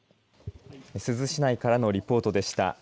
珠洲市内からのリポートでした。